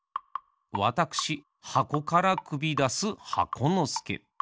わたくしはこからくびだす箱のすけ。